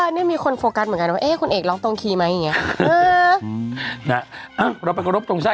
นี่มีคนโฟกัสเหมือนกันว่าคุณเอกร้องตรงคีมั้ยอย่างนี้